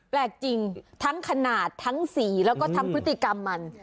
แปลกจริงทั้งขนาดทั้งสีแล้วก็ทั้งพฤติกรรมมัน